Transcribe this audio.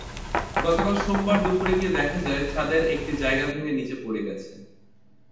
গতকাল সোমবার দুপুরে গিয়ে দেখা যায়, ছাদের একটি জায়গা ভেঙে নিচে পড়ে গেছে।